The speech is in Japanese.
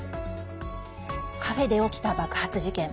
カフェで起きた爆発事件。